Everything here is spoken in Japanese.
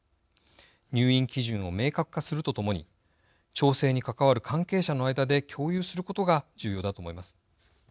入院基準を明確化するとともに調整に関わる関係者の間で共有することが重要だと思います。